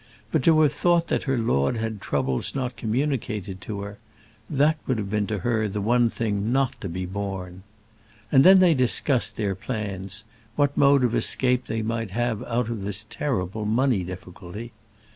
But to have thought that her lord had troubles not communicated to her that would have been to her the one thing not to be borne. And then they discussed their plans; what mode of escape they might have out of this terrible money difficulty.